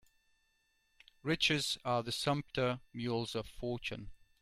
Riches are the sumpter mules of fortune.